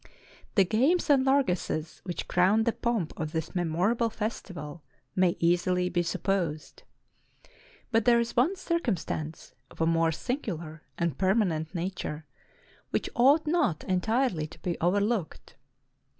The games and largesses which crowned the pomp of this memorable festival may easily be sup posed ; but there is one circumstance of a more singular and permanent nature, which ought not entirely to be overlooked.